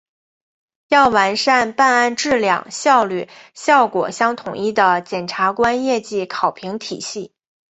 要完善办案质量、效率、效果相统一的检察官业绩考评体系